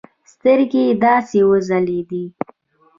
سترگې يې داسې وځلېدې.